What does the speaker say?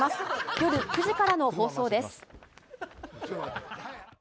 夜９時からの放送です。